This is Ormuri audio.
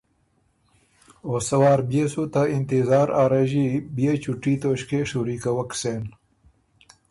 او سۀ وار بيې سُو ته انتظار ا رݫی بيې چوټي توݭکيې شُوري کوک سېن۔